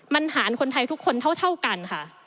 มันหารคนไทยทุกคนเท่ากันค่ะ